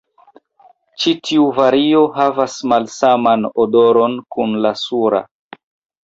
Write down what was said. Ĉi tiu vario havas malsaman odoron kun la sura.